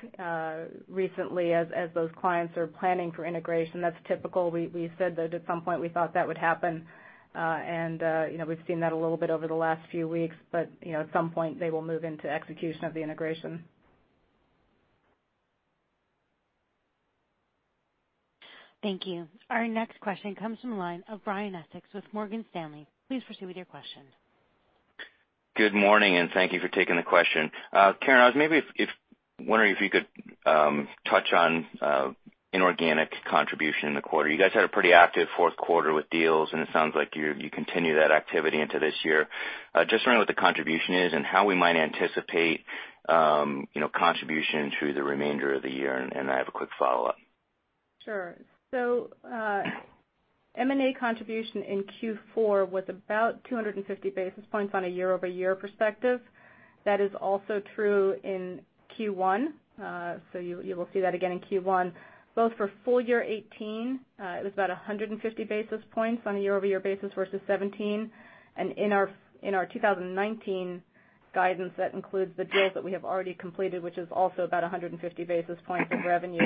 recently as those clients are planning for integration. That's typical. We said that at some point we thought that would happen. We've seen that a little bit over the last few weeks, but at some point they will move into execution of the integration. Thank you. Our next question comes from the line of Brian Essex with Morgan Stanley. Please proceed with your question. Good morning, thank you for taking the question. Karen, I was maybe wondering if you could touch on inorganic contribution in the quarter. You guys had a pretty active fourth quarter with deals, it sounds like you continue that activity into this year. Just wondering what the contribution is and how we might anticipate contribution through the remainder of the year, I have a quick follow-up. Sure. M&A contribution in Q4 was about 250 basis points on a year-over-year perspective. That is also true in Q1, you will see that again in Q1, both for full year 2018, it was about 150 basis points on a year-over-year basis versus 2017. In our 2019 guidance, that includes the deals that we have already completed, which is also about 150 basis points of revenue.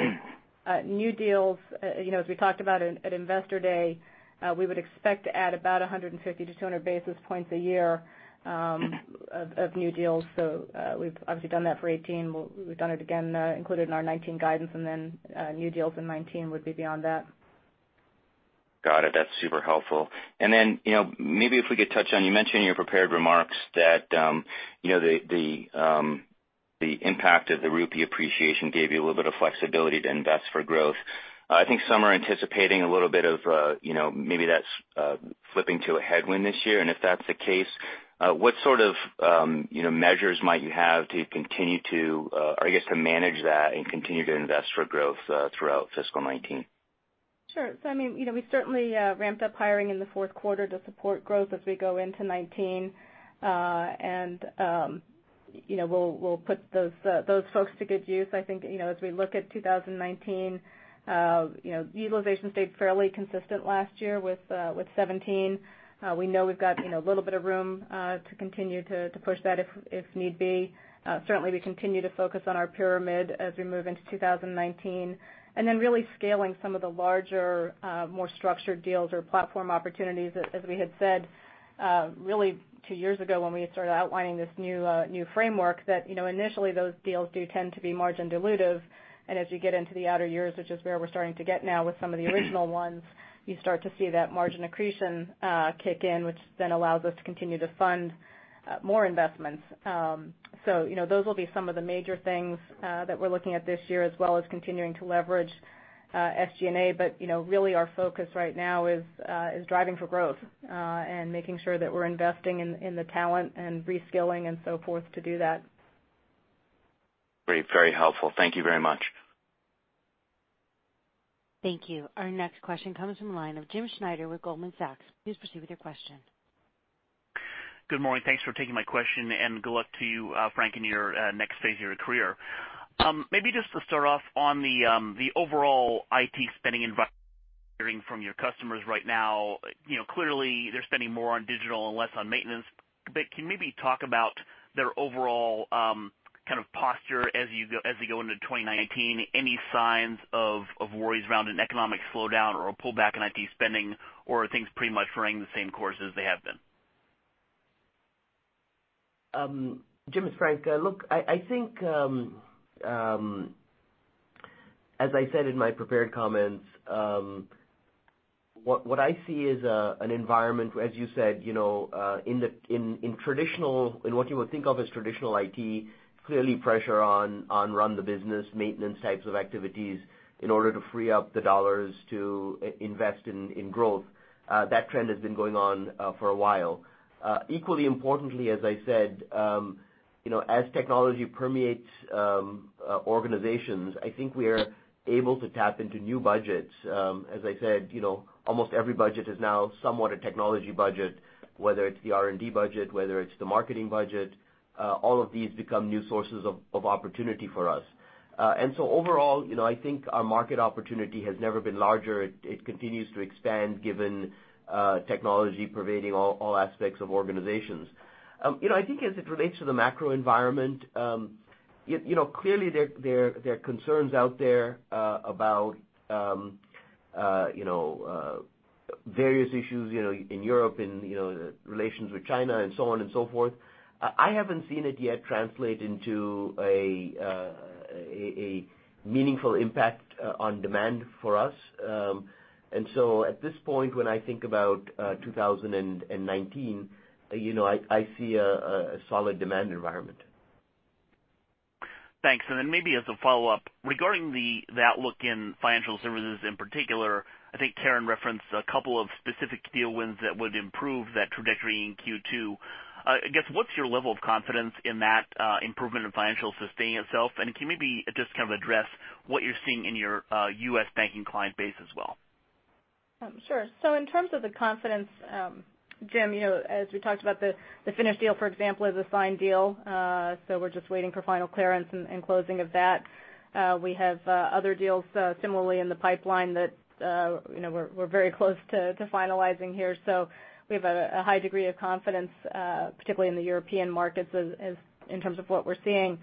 New deals, as we talked about at Investor Day, we would expect to add about 150 basis point-200 basis points a year of new deals. We've obviously done that for 2018. We've done it again, included in our 2019 guidance, new deals in 2019 would be beyond that. Got it. That's super helpful. Maybe if we could touch on, you mentioned in your prepared remarks that the impact of the rupee appreciation gave you a little bit of flexibility to invest for growth. I think some are anticipating a little bit of maybe that's flipping to a headwind this year, if that's the case, what sort of measures might you have to continue to, or I guess, to manage that and continue to invest for growth, throughout fiscal 2019? I mean, we certainly ramped up hiring in the fourth quarter to support growth as we go into 2019. We'll put those folks to good use. I think, as we look at 2019, utilization stayed fairly consistent last year with 2017. We know we've got a little bit of room to continue to push that if need be. Certainly, we continue to focus on our pyramid as we move into 2019, and then really scaling some of the larger, more structured deals or platform opportunities. As we had said, really two years ago when we had started outlining this new framework that initially those deals do tend to be margin dilutive, and as you get into the outer years, which is where we're starting to get now with some of the original ones, you start to see that margin accretion kick in, which then allows us to continue to fund more investments. Those will be some of the major things that we're looking at this year, as well as continuing to leverage SG&A. Really our focus right now is driving for growth and making sure that we're investing in the talent and reskilling and so forth to do that. Very helpful. Thank you very much. Thank you. Our next question comes from the line of James Schneider with Goldman Sachs. Please proceed with your question. Good morning. Thanks for taking my question, and good luck to you, Francisco, in your next phase of your career. Maybe just to start off on the overall IT spending environment hearing from your customers right now. Clearly, they're spending more on digital and less on maintenance. Can you maybe talk about their overall posture as they go into 2019? Any signs of worries around an economic slowdown or a pullback in IT spending, or are things pretty much running the same course as they have been? James, it's Francisco. Look, I think, as I said in my prepared comments, what I see is an environment, as you said, in what you would think of as traditional IT, clearly pressure on run the business, maintenance types of activities in order to free up the dollars to invest in growth. That trend has been going on for a while. Equally importantly, as I said, as technology permeates organizations, I think we are able to tap into new budgets. As I said, almost every budget is now somewhat a technology budget, whether it's the R&D budget, whether it's the marketing budget, all of these become new sources of opportunity for us. Overall, I think our market opportunity has never been larger. It continues to expand given technology pervading all aspects of organizations. I think as it relates to the macro environment, clearly there are concerns out there about various issues in Europe, in relations with China, and so on and so forth. I haven't seen it yet translate into a meaningful impact on demand for us. At this point, when I think about 2019, I see a solid demand environment. Thanks. Maybe as a follow-up, regarding the outlook in financial services in particular, I think Karen referenced a couple of specific deal wins that would improve that trajectory in Q2. I guess, what's your level of confidence in that improvement in financial sustaining itself? Can you maybe just kind of address what you're seeing in your U.S. banking client base as well? Sure. In terms of the confidence, James, as we talked about the Finnish deal, for example, is a signed deal. We're just waiting for final clearance and closing of that. We have other deals similarly in the pipeline that we're very close to finalizing here. We have a high degree of confidence, particularly in the European markets in terms of what we're seeing.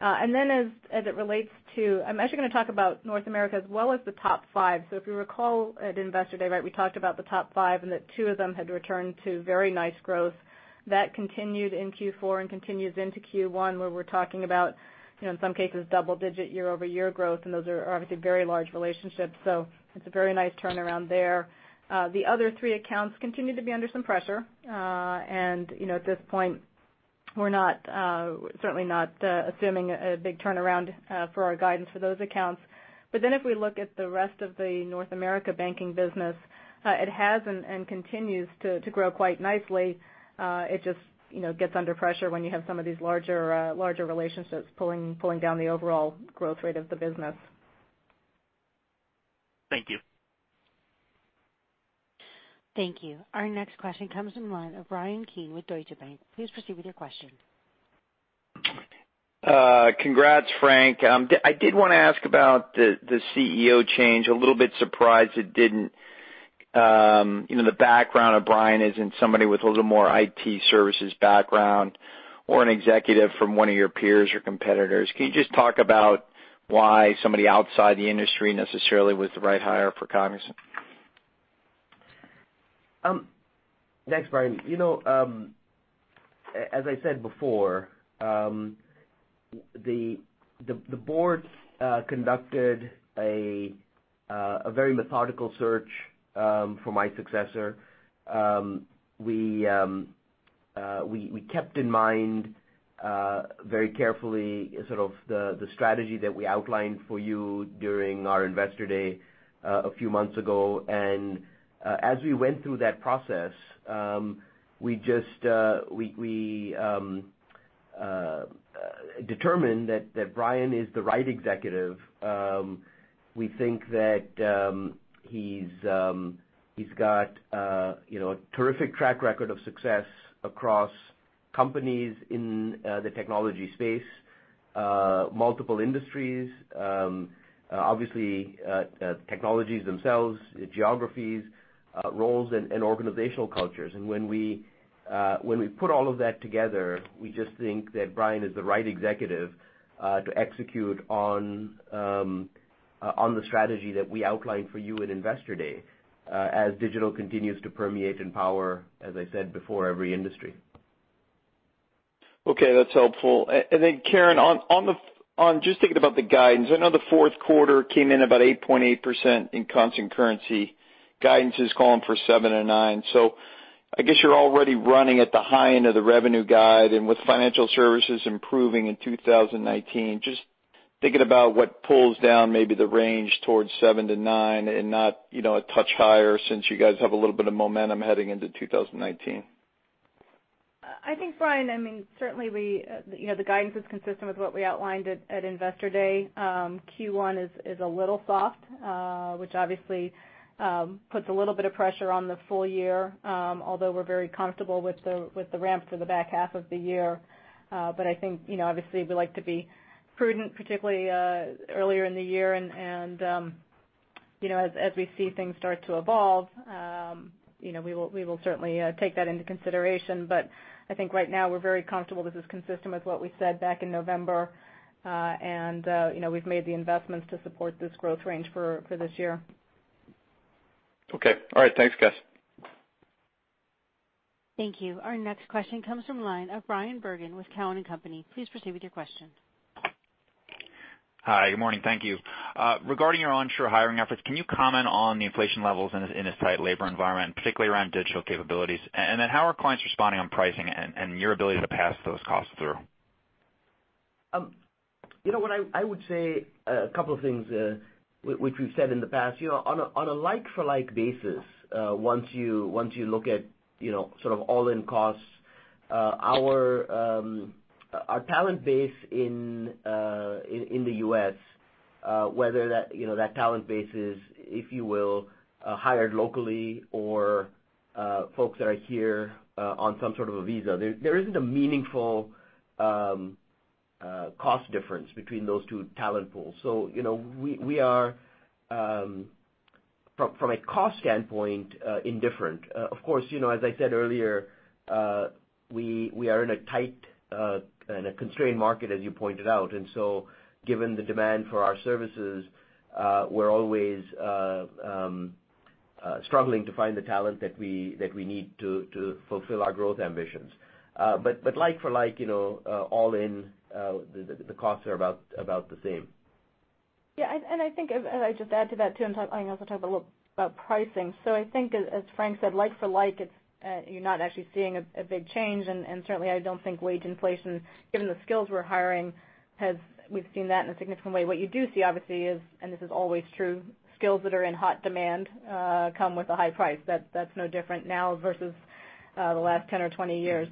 As it relates to, I'm actually going to talk about North America as well as the top five. If you recall at Investor Day, we talked about the top five and that two of them had returned to very nice growth. That continued in Q4 and continues into Q1, where we're talking about, in some cases, double-digit year-over-year growth, and those are obviously very large relationships. It's a very nice turnaround there. The other three accounts continue to be under some pressure. At this point, we're certainly not assuming a big turnaround for our guidance for those accounts. If we look at the rest of the North America banking business, it has and continues to grow quite nicely. It just gets under pressure when you have some of these larger relationships pulling down the overall growth rate of the business. Thank you. Thank you. Our next question comes from the line of Bryan Keane with Deutsche Bank. Please proceed with your question. Congrats, Francisco. I did want to ask about the CEO change. A little bit surprised the background of Brian isn't somebody with a little more IT services background or an executive from one of your peers or competitors. Can you just talk about why somebody outside the industry necessarily was the right hire for Cognizant? Thanks, Bryan. As I said before, the board conducted a very methodical search for my successor. We kept in mind very carefully the strategy that we outlined for you during our Investor Day a few months ago. As we went through that process, we just determined that Brian is the right executive. We think that he's got a terrific track record of success across companies in the technology space, multiple industries, obviously, technologies themselves, geographies, roles, and organizational cultures. When we put all of that together, we just think that Brian is the right executive to execute on the strategy that we outlined for you at Investor Day, as digital continues to permeate and power, as I said before, every industry. Okay, that's helpful. Karen, just thinking about the guidance, I know the fourth quarter came in about 8.8% in constant currency. Guidance is calling for 7%-9%. I guess you're already running at the high end of the revenue guide and with financial services improving in 2019, just thinking about what pulls down maybe the range towards 7%-9% and not a touch higher since you guys have a little bit of momentum heading into 2019. I think, Bryan, certainly the guidance is consistent with what we outlined at Investor Day. Q1 is a little soft, which obviously puts a little bit of pressure on the full year, although we're very comfortable with the ramp for the back half of the year. I think, obviously, we like to be prudent, particularly, earlier in the year. As we see things start to evolve, we will certainly take that into consideration. I think right now, we're very comfortable this is consistent with what we said back in November. We've made the investments to support this growth range for this year. Okay. All right. Thanks, guys. Thank you. Our next question comes from the line of Bryan Bergin with Cowen and Company. Please proceed with your question. Hi, good morning. Thank you. Regarding your onshore hiring efforts, can you comment on the inflation levels in this tight labor environment, particularly around digital capabilities? How are clients responding on pricing and your ability to pass those costs through? What I would say, a couple of things, which we've said in the past. On a like-for-like basis, once you look at sort of all-in costs, our talent base in the U.S., whether that talent base is, if you will, hired locally or folks that are here on some sort of a visa, there isn't a meaningful cost difference between those two talent pools. We are, from a cost standpoint, indifferent. Of course, as I said earlier, we are in a tight and a constrained market, as you pointed out. Given the demand for our services, we're always struggling to find the talent that we need to fulfill our growth ambitions. Like for like, all in, the costs are about the same. I think, as I just add to that, too, and also talk a little about pricing. I think as Francisco said, like for like, you're not actually seeing a big change, and certainly I don't think wage inflation, given the skills we're hiring, we've seen that in a significant way. What you do see, obviously, is, and this is always true, skills that are in hot demand come with a high price. That's no different now versus the last 10 or 20 years.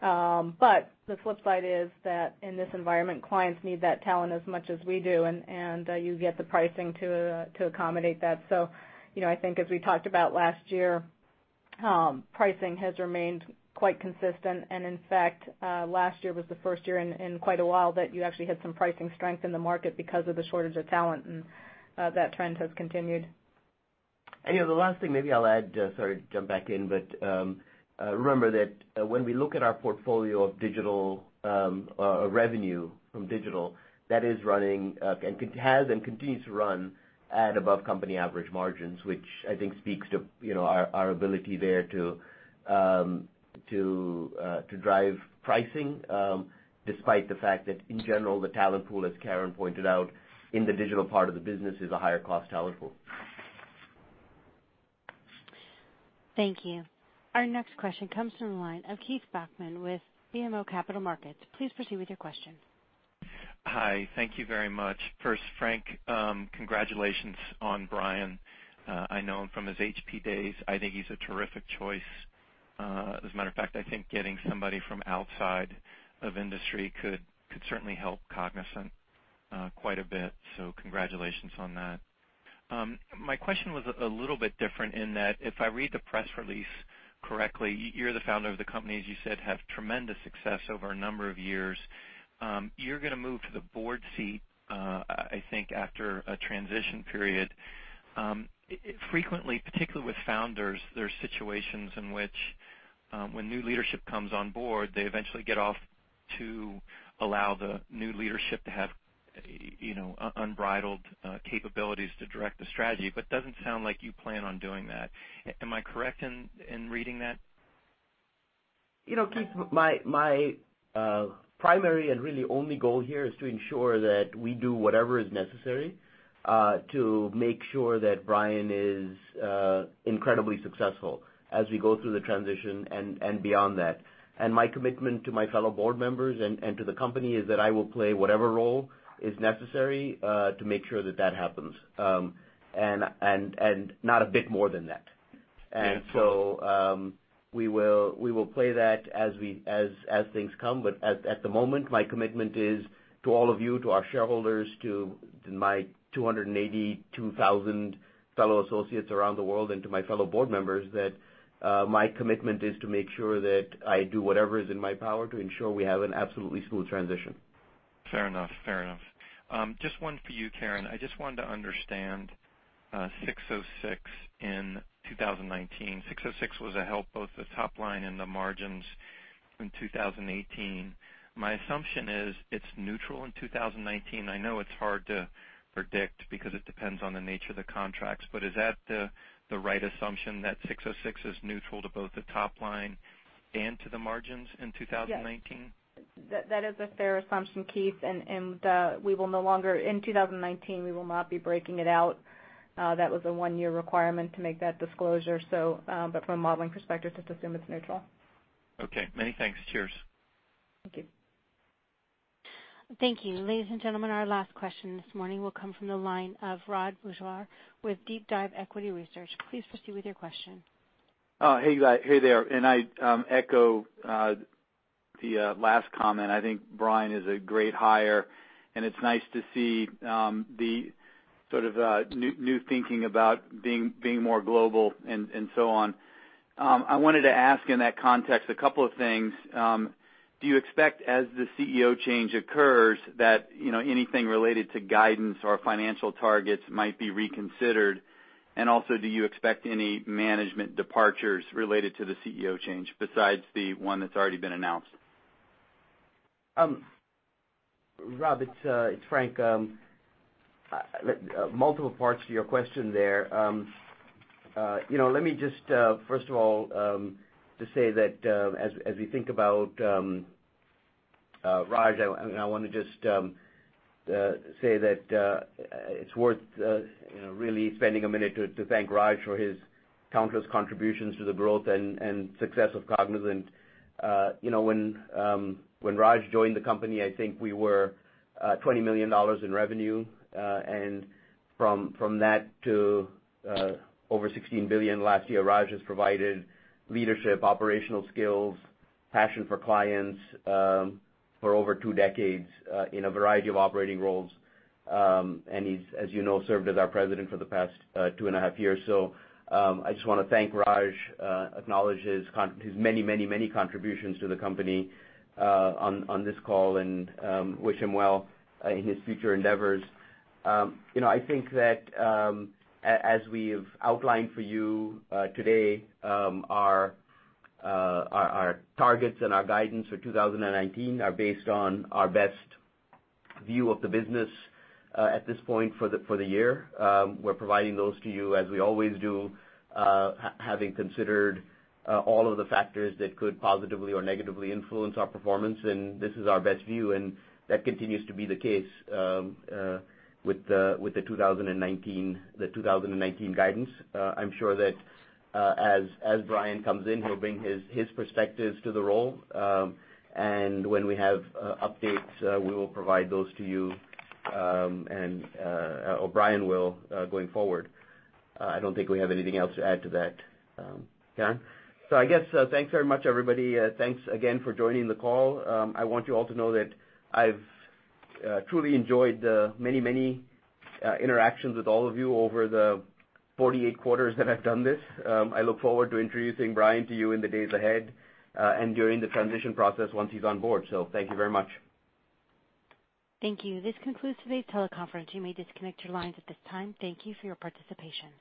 The flip side is that in this environment, clients need that talent as much as we do, and you get the pricing to accommodate that. I think as we talked about last year, pricing has remained quite consistent. In fact, last year was the first year in quite a while that you actually had some pricing strength in the market because of the shortage of talent, and that trend has continued. The last thing, maybe I'll add, sorry to jump back in, but remember that when we look at our portfolio of revenue from digital, that is running, and has and continues to run at above company average margins, which I think speaks to our ability there to drive pricing, despite the fact that in general, the talent pool, as Karen pointed out, in the digital part of the business is a higher cost talent pool. Thank you. Our next question comes from the line of Keith Bachman with BMO Capital Markets. Please proceed with your question. Hi. Thank you very much. First, Francisco, congratulations on Brian. I know him from his HP days. I think he's a terrific choice. As a matter of fact, I think getting somebody from outside of industry could certainly help Cognizant quite a bit. Congratulations on that. My question was a little bit different in that if I read the press release correctly, you're the founder of the company, as you said, had tremendous success over a number of years. You're going to move to the board seat, I think, after a transition period. Frequently, particularly with founders, there's situations in which when new leadership comes on board, they eventually get off to allow the new leadership to have unbridled capabilities to direct the strategy, but it doesn't sound like you plan on doing that. Am I correct in reading that? Keith, my primary and really only goal here is to ensure that we do whatever is necessary to make sure that Brian is incredibly successful as we go through the transition and beyond that. My commitment to my fellow board members and to the company is that I will play whatever role is necessary to make sure that that happens, and not a bit more than that. We will play that as things come. But at the moment, my commitment is to all of you, to our shareholders, to my 282,000 fellow associates around the world, and to my fellow board members, that my commitment is to make sure that I do whatever is in my power to ensure we have an absolutely smooth transition. Fair enough. Just one for you, Karen. I just wanted to understand $606 million in 2019. $606 million was a help, both the top line and the margins in 2018. My assumption is it's neutral in 2019. I know it's hard to predict because it depends on the nature of the contracts, but is that the right assumption, that $606 million is neutral to both the top line and to the margins in 2019? Yes. That is a fair assumption, Keith. In 2019, we will not be breaking it out. That was a one-year requirement to make that disclosure. From a modeling perspective, just assume it's neutral. Okay, many thanks. Cheers. Thank you. Thank you. Ladies and gentlemen, our last question this morning will come from the line of Rod Bourgeois with DeepDive Equity Research. Please proceed with your question. Hey there, I echo the last comment. I think Brian is a great hire, it's nice to see the sort of new thinking about being more global so on. I wanted to ask in that context, a couple of things. Do you expect, as the CEO change occurs that anything related to guidance or financial targets might be reconsidered? Also, do you expect any management departures related to the CEO change besides the one that's already been announced? Rod, it's Francisco. Multiple parts to your question there. Let me just, first of all, just say that as we think about Raj, I want to just say that it's worth really spending a minute to thank Raj for his countless contributions to the growth and success of Cognizant. When Raj joined the company, I think we were $20 million in revenue. From that to over $16 billion last year, Raj has provided leadership, operational skills, passion for clients for over two decades in a variety of operating roles. He's, as you know, served as our president for the past two and a half years. I just want to thank Raj, acknowledge his many, many, many contributions to the company on this call, and wish him well in his future endeavors. I think that, as we've outlined for you today, our targets and our guidance for 2019 are based on our best view of the business at this point for the year. We're providing those to you as we always do, having considered all of the factors that could positively or negatively influence our performance, and this is our best view, and that continues to be the case with the 2019 guidance. I'm sure that as Brian comes in, he'll bring his perspectives to the role, and when we have updates, we will provide those to you, or Brian will, going forward. I don't think we have anything else to add to that. Karen? I guess, thanks very much, everybody. Thanks again for joining the call. I want you all to know that I've truly enjoyed the many, many interactions with all of you over the 48 quarters that I've done this. I look forward to introducing Brian to you in the days ahead, and during the transition process once he's on board. Thank you very much. Thank you. This concludes today's teleconference. You may disconnect your lines at this time. Thank you for your participation.